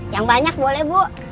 yang banyak boleh bu